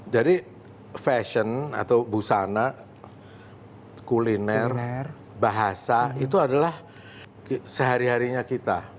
jadi fashion atau busana kuliner bahasa itu adalah sehari harinya kita